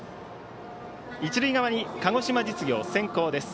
一塁側に鹿児島実業、先攻です。